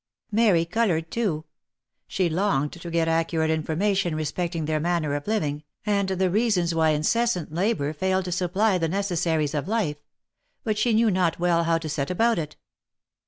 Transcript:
Mary coloured too. She longed to get accurate information re specting their manner of living, and the reasons why incessant labour failed to supply the necessaries of life ; but she knew not well how to set about it.